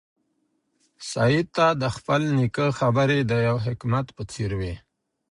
سعید ته د خپل نیکه خبرې د یو حکمت په څېر وې.